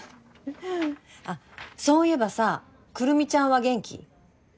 あそういえばさくるみちゃんは元気？